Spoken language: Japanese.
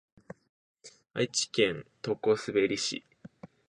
愛知県常滑市